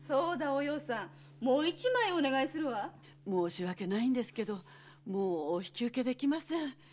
申し訳ないんですけどもうお引き受けできません。